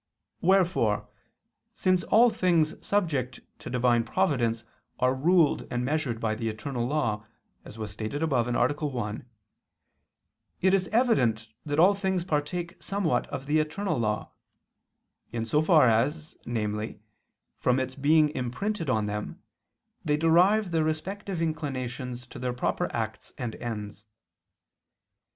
Wherefore, since all things subject to Divine providence are ruled and measured by the eternal law, as was stated above (A. 1); it is evident that all things partake somewhat of the eternal law, in so far as, namely, from its being imprinted on them, they derive their respective inclinations to their proper acts and ends.